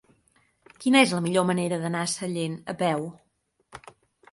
Quina és la millor manera d'anar a Sallent a peu?